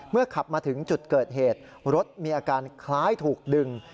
ขับมาถึงจุดเกิดเหตุรถมีอาการคล้ายถูกดึง